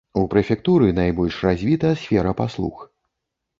У прэфектуры найбольш развіта сфера паслуг.